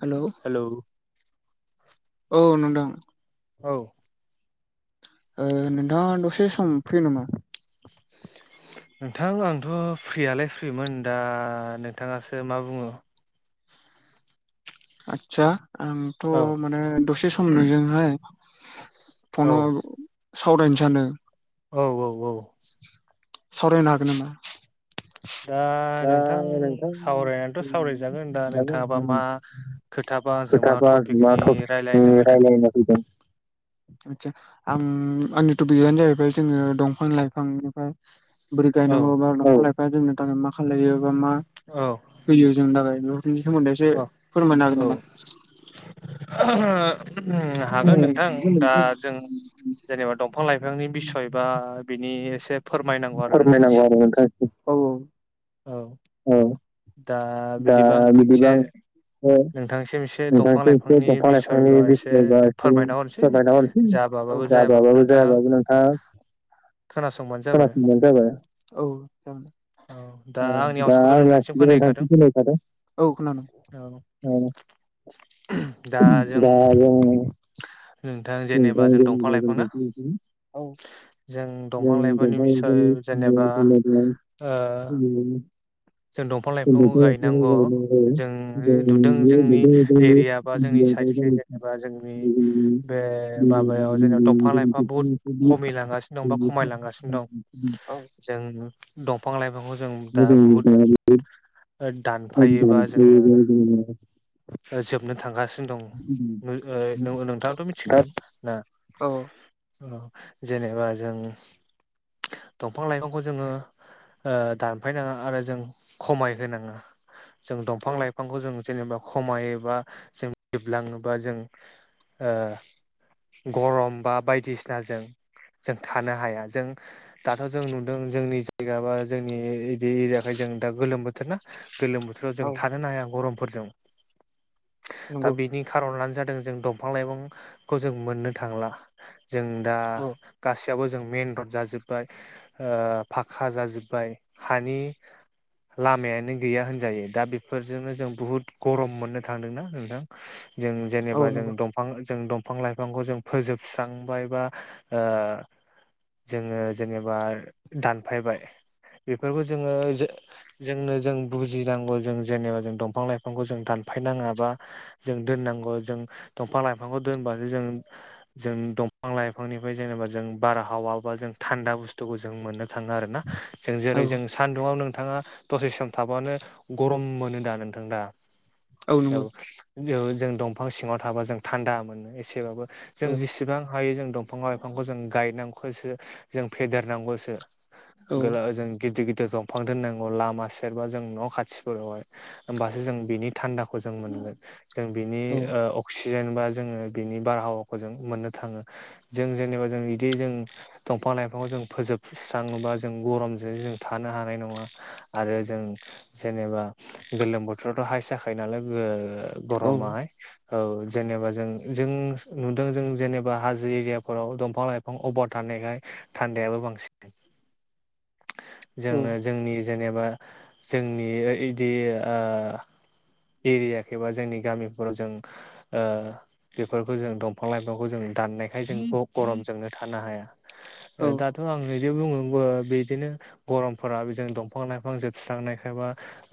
हेल'। Hello औ नोंथां। औ। ओ नोंथाङा दसे सम फ्रि नामा। नोंथां आंथ' फ्रियालाय फ्रिमोन दा नोंथाङासो मा बुङो। आदसा आंथ' औ माने दसे सम नोंजोंहाय। औ फनाव सावरायनो सानदों। औ औ औ। सावरायनो हागोन नामा। दा दा नोंथां ओरैनो सावरायनानैथ' दं सावरायजागोन दा नोंथाङाबा दादोंनानै। मा खोथाबा आंजों मा खोथाफ्रा मा टपिकनि टपिकनि रायलायनो फैदों? रायलायनो बिदों। आतसा आं आंनि टपिकआनो जाहैबाय जोङो दंफां लाइफां। आ बोरै गायनांगौ बा औ दंफां लाइफांआ जोंनो थाखाय मा खालायो। मा मा औ होयो जोंनो थाखाय नु। बिनि सोमोन्दै एसे अ फोरमायनो हागोन औ नामा। ओम हागोन नोंथां दा जों। जेनेबा दंफां लाइफांनि बिसय बा बिनि एसे। फोरमायनांगौ आरो फोरमायनांगौ नोंथांसिम आरो नोंथांआ औ। औ औ। दा दा बिदिबा आं बिदिबा एसे। एसे नोंथांसिम एसे दंफां नोंथांसो एसे लाइफांनि दंफां बिसय लाइफांनि बा एसे बिसयबा फोरमायना हरनोसै जाबा। औ जाजाबाबो जायाब्लाबो नोंथां खोनासंबानो जाबाय खोनासंबानो जाबाय औ। जागोन। औ दा आंनि आवासखौथ' नोंथांसिम खोनाहैखादों। खोनाहैखादो औ औ खोनादों ओ। दा जों ओ।। दा जेनेबा नोंथां जों दंफां लाइफांना। औ। जों दंफां लाइफांनि बिसय जेनेबा ओ। जों दंफां लाइफांखौ गायनांग जों ओ नुदों जोंनि एरिया बा जोंनि। साइडखै दों जेनेबा दों जोंनि दो दु बे दु। द माबायाव दो जेनेबा दंफां दो लाइफां बुहुद दु द दो खमिलांगासिनो दं बा द दो खमायलांगासिनो दं दु अ जों दंफां लाइफांखौ जों दा बुहुद ओ। दानफायोबा जोङो ओ जोबनो थांगासि। मैं ओइ नगो नोंथाङाथ' मिथिखागोन ना औ। जेनेबा जों दंफां लाइफांखौ जोङो। ओ दानफायनाङा आरो जों खमायहोनाङा जों दंफां लाइफांखौ जोङो। जेनेबा खमायोबा जों जोबलाङोबा जों ओ। गरम बा बायदिसिनाजों। जों थानो हाया जों दाथ' जों नुदों जोंनि। गाबा जोंनि इदिजाखाय जों दा गोलोम बोथोर ना गोलोम बोथोराव जों थानोनो हाया गरम। बुरजों दा नंगौ बेनि खारनानो जाद। दों जों दंफा लाइफांखौ जों मोननो थांला जों दा औ गासैआबो। जों मेइन रड जाजोब्बाय फाखा जाजोब्बाय हानि। लामायानो गैया होन। जायो दा बेफोरजोंनो जों बुहुद गरम मोननो थांदोंना नोंथां। जों औ जेनेबा जों नंगौ दंफां। जों दंफां लाइफांखौ जों फोजोबस्रांबाय बा ओ। जोङो जेनेबा दानफायबाय। बेफोरखौ जोङो जो जोंनो जों बुजिनांगौ जों जेनेबा जों दंफां लाइफांखौ जों दान फायनाङा बा जों दोननांगौ जों दंफां लाइफांखौ दोनबासो जों जों दंफां लाइफांनिफ्राय जेनेबा जों बारहावा बा जों थान्दा बुस्थुखौ जों मोननो थाङो आरोना जों औ जेरै जों सान्दुुङाव। नोंथाङा दसे सम थाबानो गरम मोनो दा नोंथां दा औ। ओ जों दंफां सिङाव थाबा जों थान्दा मोनो एसेबाबो। औ जों जिसिबां हायो जों दंफां लाइफांखौ जों गायनांखसो जों फेदेरनांगौ सो औ गोला जों गिदि गि दि दंफां दोननांगौ लामा सेरबा जों न' खाथिफोरावहाय होमबासो जों बिनि थान्दाखौ जों मोनगोन जों बिनि औ अक्सि जेनबा जोङो बिनि बारहावाखौ जों मोननो थाङो जों जेनेबा जों इदि जों दंफां लाइफाङाव जों फोजोब स्रङोबा जों गरमजों जों थानो हानाय नङा आरो जों जेनेबा गोलोम बोथोरावथ' हायस जाखायो नालाय ओ गरमाहाय। औ जेनेबा जों जों नुदों जों जेनेबा हाजो एरियाफोराव दंफां लाइफां अभार था नायखाय थान्दायाबो बांसिन जोङो औ जोंनि जेनेबा जोंनि इदि आ एरियाखो बा जोंनि गामिफोराव जों ओ बेफोरखौ जों दंफां लाइफांखौ जों दाननायखाय जोंथ गरमजोंनो थानो हाया औ ओ दाथ' आं बिदि बुङो बो बिदिनो गरमफोरा बिजों दंफां लाइफां जोस्रांनाय खायबा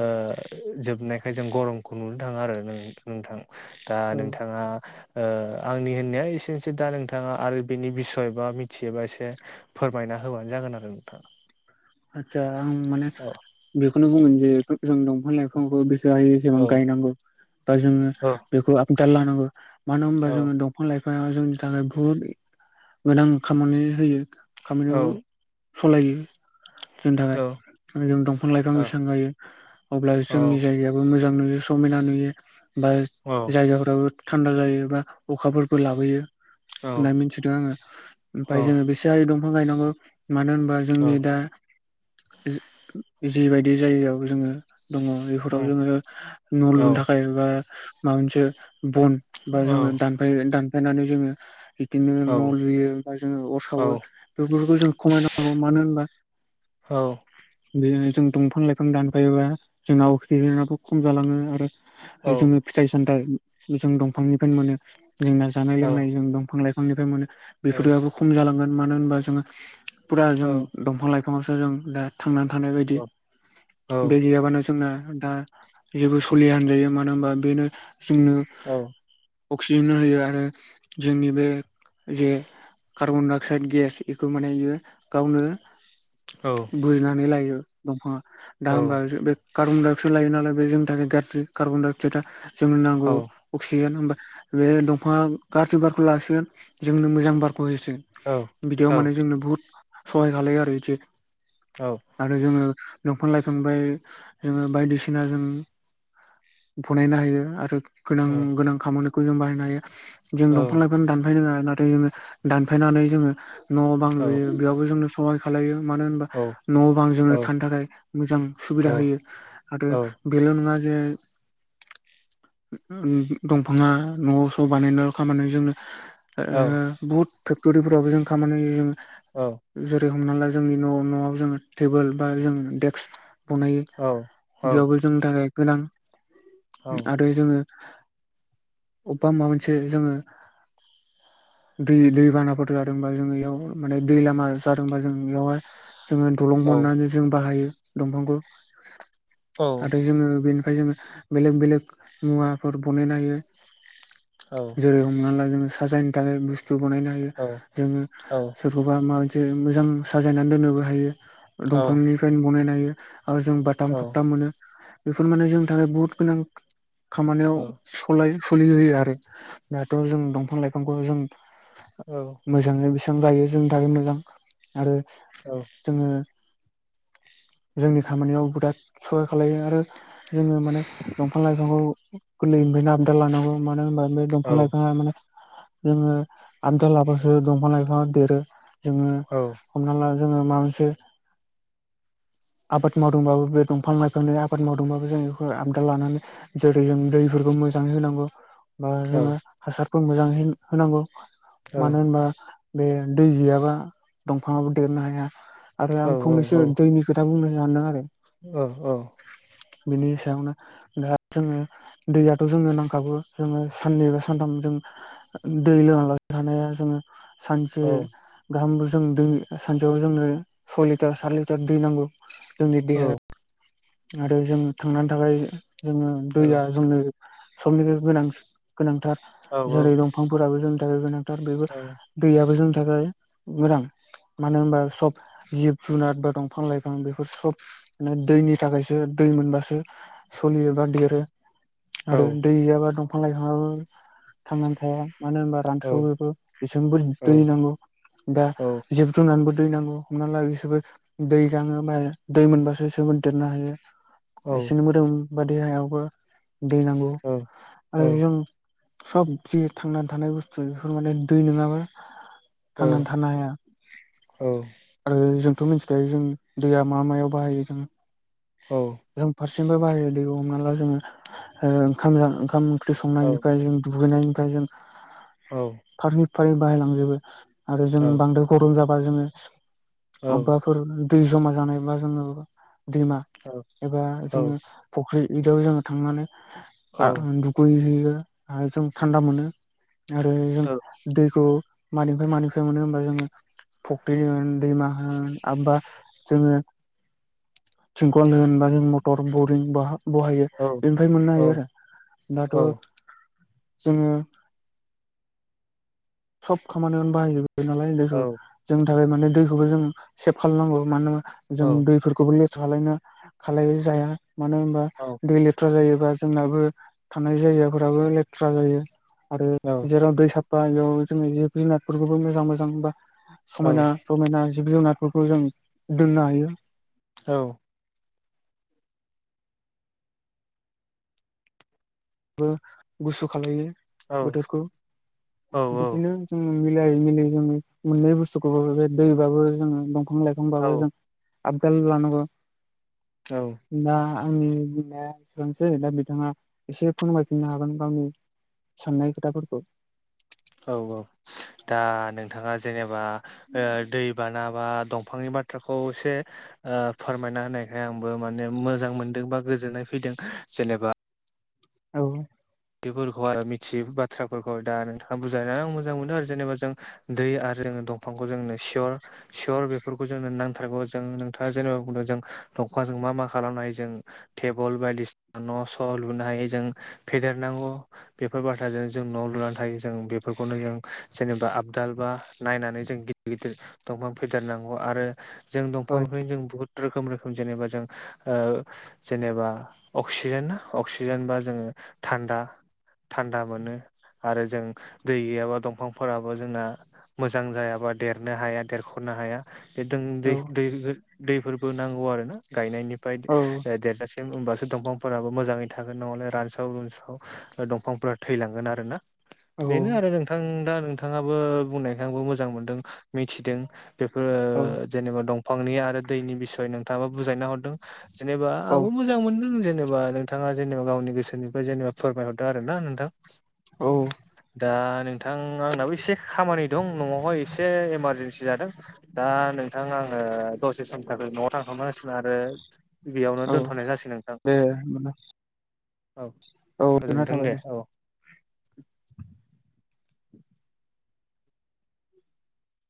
ओ जोबनायखाय जों गरमखौ नुनो थाङा आरो नोंथां दा नोंथाङा ओ आंनि होननाया एसेनोसै दा नोंथाङा आरो बिनि बिसय बा मिथियोबा एसे फोरमायना हो होबानो जागोन आरो नोंथां आतसा आं माने औ बेखौनो बुंगोन जे जों दंफां लाइफांखौ गोबां गोसो औ होनानै गायनांगौ बा जोङो औ बेखौ आदाल लानांगौ। मानो होनबा औ जोङो दंफां लाइफाङा जोंनि थाखाय बुहुद गोनां खामानि होयो खामानियाव सलायो जोंनि थाखाय जों दंफां लाइफां बेसेबां गायो अब्ला जोंनि जायगायाबो मो जां नुयो समायना नुयो बा जायगाफ्राबो थान्दा जायो बा अखाफोरखो लाबोयो होनना मिथिदों आङो ओमफाय जोङो बेसे हायो दंफां गायनांगौ मानो होनबा जोंनि दा जि-जिबायदि जायगायाव जोङो दङ बेफोराव जोङो न' लुनो थाखाय बा माबा मोनसे बन बा जोङो दानफाय दानफायनानै जोङो बिदिनो न' लुयो बा जोङो अर सावो बेफोरखौ जों खमायनांगौ मानो होनबा औ बेनो जों दंफां लाइफां दानफायोबा जोंना अक्सिजेनाबो खम जालाङो आरो आरो जोङो फिथाइ सामथाइ जों दंफांनिफ्रायनो मोनो जोंना जानाय लोंनाय जों दंफां लाइफांनिफ्राय मोनो बेफोराबो खम जालांगोन मानो होनबा जोङो फुरा जों दंफां लाइफांआवसो जों दा थांनानै थानाय बायदि बे गैयाबानो जोंना दा जेबो सलिया होनजायो मानो होनबा बेनो जोंनो अक्सिजेन होयो आरो जोंनि बे जे कार्बन डाइ अक्साइड गेस इखौ माने इयो गावनो बोनानै लायो दंफांङा दा होनबा जो बे कार्बन-डाइ अक्साइड लायो नालाय बे जोंनि थाखाय गाज्रि कार्बन डाइ अक्साइडआ जोंनो नांगौ अक्सिजेन बा बे दंफाङा गारज्रि बारखौ लासिगोन जोंनो मोजां बारखौ खौ होसिगोन बिदियाव माने जोंनो बुहुत सहाय खालायो आरो जि आरो जोङो दंफां लाइफांनिफ्राय जोङो बायदिसिना जों बनायनो हायो आरो गोनां गोनां खामानिखौ जों बाहायनो हायो। जों दंफां लाइफां दानफाय नाङा। नाथाय जोङो दानफायनानै जोङो न'आव बां लुयो बेयावबो जोंनो सहाय खालामो। मानो होनबा न' बां जोंनो थानो थाखाय मोजां सुबिदा होयो आरो बेल' नङा जे [unintelligible] दंफाङा न' स' बानायनाय खामानि जोंनो आ बुहुत फेक्ट'रिफ्रावबो जों खामानि होयो। औ। जेरै हमना ला जोंनि न' न'आव जोङो टेबोल बा जों डेक्स बनायो बेयावबो जोंनि थाखाय गोनां। आरो जोङो अबेबा माबा मोनसे जोङो दै दैबानाफोर जादोंबा जोङो इयाव माने दै लामा जादोंबा जों बेयावहाय जोङो दलं बननानै जों बाहायो दंफांखौ। आरो जोङो बेनिफ्राय जोङो बेलेग बेलेग मुवाफोर बनायनो हायो। जेरै हमना ला जोङो साजायनो थाखाय बुस्थु [unintelligible] बनायनायनो हायो। जोङो सोरखौबा माबा मोनसे मोजां साजायनानै दोननोबो हायो। ओ दंफांनिफ्रायनो बनायनो हायो आरो जों बाथाम थखथा मोनो। बे बेफोर माने जोंनि थाखाय बुहुत गोनां खामानियाव सलाय सलि होयो आरो। दाथ' जों दंफां लाइफांखौ जों मोजाङै बेसे फां गायो जोंनि थाखाय मोजां आरो जोङो जोंनि खामानियाव बिराद सहाय खालायो आरो जोङो माने दंफां लाइफांखौ गोरलै फायनो आबदाल लानांगौ मानो होनबा बे दंफां लाइफाङा माने जोङो आनजाद लाबासो दंफां लाइफाङा देरो। जोङो हमना ला जोङो मानसि आबाद मावदोंबाबो बे दंफां लाइफांनि आबाद मावदोंबाबो जों बेखौ आबदाल लानानै जेरै जों दैफोरखौ मोजाङै होनांगौ। बा जोङो हासारखौ मोजाङै है- होनांगौ। मानो होनबा बे दै गैयाबा दंफाङाबो देरनो हाया आरो आं फंनैसो दैनि खोथा बुंनो [unintelligible] आरो औ औ। बिनि सायावनो दा जोङो दैयाथ' जोंनो नांखागो जोङो साननै बा सानथाम जों दै लोंबालासे थानो हाया। जोङो सानसे गाहाम जों दै सानसेयाव जोंनो सय लिटार सात लिटार दै नांगौ। जोंनि औ देहााया आरो जोङो थांनानै थाखाय जोङो दैया जोंनो सबनिफायबो गोनां गोनांथार जेरै दंफांफोराबो जोंनि थाखाय गोनां। थार बेबो दैयाबो जोंनि थाखाय गोनां। मानो होनबा सब जिब जुनार बा दंफां लाइफां बेफोर सब माने दैनि थाखायसो दै मोनबासो सलियो बा देरो। आरो दै गैयाबा दंफां फाइफाङाबो थांनानै थाया मानो होनबा रानस्रावोबो बिसोरनोबो दै हो नांगौ। दा जिब जुनारनोबो दै नांगौ। हमना ला बिसोरबो दै गाङो माने दै मोनबासो बिसोरबो देरनो हायो। एसेनो मोदोम बा देहायावबो दै नांगौ आरो जों सब जिबि थांना थानाय बुस्थु बेफोर माने दै नङाबा थांना थानो हाया। औ। आरो जोंथ' मिथिखायो जों दैया मा मायाव बाहायो। जों फारसे [unintelligible] बाहायो जेरै हमाब्ला जोङो ओ ओंखाम- ओंखाम ओंख्रि संनायनिफ्राय जों दुगैनायनि फाय जों फारै फारै बाहायलांजोबो आरो जों बांद्राय गरम जाबा जोंंङो अबेबाफोर दै जमा जानायबा जोंङो दैमा एबा जोंङो फुख्रि बिदियाव जोंङो थांनानै ओ दुगैहैयो आरो जों थान्दा मोनो। आरो जों दैखौ मानिफ्राय मानिफ्राय मोनो होनबा जोंङो फख्रि होन दैमा होन आमबा जोंङो थिंखल होन बा जेरै मटर बरिं बाहा बहायो औ बेनिफ्रायबो मोननो हायो आरो। दाथ' औ जोंङो सब खामानियावनो बाहायजोबबाय नालाय जोंनि थाखाय माने दैखौबो जों सेभ खालामनांगौ मानो होनबा जों दैफोरखौबो लेथ खालायनो खालाय जाया मानो होनबा दै लेथ्रा जायो। बा जोंनाबो थानाय जायगाफोराबो लेथ्रा जायो आरो जेराव दै साब फा बेयाव जोंङो जिब जुनारफोरखौबो मोजां मोजां बा समायना रमायना जिब जुनारफोरखौ जों दोननो हायो। औ बो गुसु खालो बोथोरखौ बिदिनो जों मिलायै मिलायै जोंङो मोननै बुस्थुखौ बे दैबाबो जोंङो दंफां लाइफांबाबो जों आबदाल लानांगौ ना आंनि बुंनाया एसेबांसै दा बिथांङा एसे फोरमायफिननो हागोन गावनि साननाय खोथाफोरखौ औ औ दा नोंथांङा जेनेबा ओ दै बाना बा दंफांनि बाथ्राखौ एसे ओ फोरमायना होनायखाय आंबो माने मोजां मोनदों बा गो गोजोननाय फैदों जेनेबा औ बेफोरखौ आरो मिथियै बाथ्राफोरखौ दा नोंथांङा बुजायनानै आं मोजां मोनदों आरो जेनेबा जों दै आरो ओ दंफांखौ जोंनो सियर सियर बेफोरखौ जोंनो नांथारगौ जों नोंथांङा जेनेबा बुंदों जों खाजों मा मा खालामनो हायो जों टेबोल बायदिसिना न' स' लुनो हायो जों फेदेरनांगौ बेफोर बाथ्राजों जों न' लुनानै थायो जों बेफोरखौनो जों जेनेबा आबदाल बा नायनानै जों गिदिर गिदिर दंफां फेदेरनांगौ आरो जों औ दंफांनिफ्रायनो जों बुहुद रोखोम रोखोम जेनेबा जों ओ जेनेबा ओ अक्सिजेना अक्सिजेनबा जोंङो थान्दा थान्दा मोनो आरो जों दै गैयाबा दंफांफोराबो जोंना मोजां जाया बा देरनो हाया देरख'नो हाया। बे दों औ दै दैबो दैफोरबो नांगौ आरो ना गायनायनिफ्राय औ ओ देरजासे होनोमबासो दंफांफोराबो मोजांङै थागोन नंङालाय रानसाव रुनसाव दंफांफोरा थैलांगोन आरोना औ बेनो आरो नोंथां दा नोंथांङाबो बुंनायखाय आंबो मोजां मोनदों मिथिदों बेफोर जेनेबा दं फांनि आरो दैनि बिसय नोंथांङाबा बुजायना हरदों जेनेबा औ आंबो मोजां मोनदों जेनेबा जेनेबा नोंथांङा जेनेबा गावनि गोसोनिफ्राय जेनेबा फोरमायहरदों आरो ना नोंथां। औ औ दा नों नोंथां आंनाबो एसे खामानि दं न'आवहाय एसे इमारजेेनसि जादों दा नोंथां आंङो ओ दसे समनि थाखाय न'आव थांथ'नांसिगोन आरो बेयावनो दोनथ'नाय जासिगोन नोंथां। मोना औ औ गोजोननाय गोजोनथों थाबाय दे औ